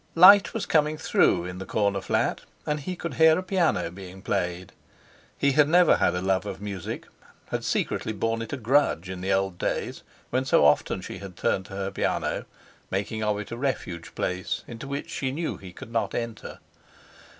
Light was coming through in the corner flat, and he could hear a piano being played. He had never had a love of music, had secretly borne it a grudge in the old days when so often she had turned to her piano, making of it a refuge place into which she knew he could not enter.